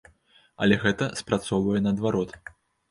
Але гэта спрацоўвае наадварот.